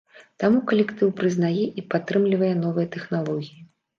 Таму калектыў прызнае і падтрымлівае новыя тэхналогіі.